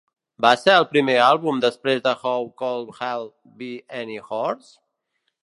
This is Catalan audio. Va ser també el primer àlbum després de How Could Hell Be Any Worse?